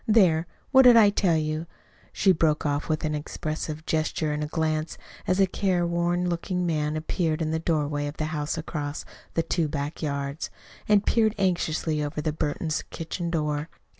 There! What did I tell you?" she broke off, with an expressive gesture and glance, as a careworn looking man appeared in the doorway of the house across the two back yards, and peered anxiously over at the Burtons' kitchen door.